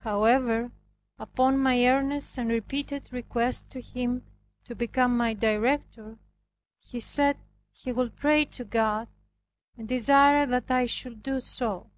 However, upon my earnest and repeated request to him to become my director, he said he would pray to God and desired that I should do so.